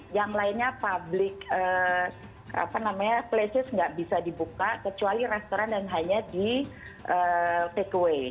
yang lainnya public places nggak bisa dibuka kecuali restoran yang hanya di takeaway